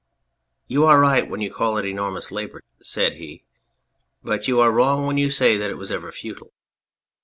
" You are right when you call it enormous labour," said he, " but you are wrong when you say that it was ever futile.